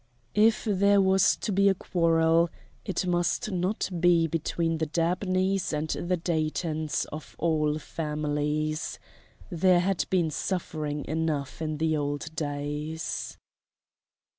If there was to be a quarrel it must not be between the Dabneys and the Daytons, of all families. There had been suffering enough in the old days.